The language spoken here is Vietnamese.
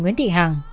nguyễn thị hằng